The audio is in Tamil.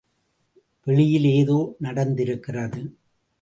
வெளியில் ஏதோ நடந்திருக்கிறது.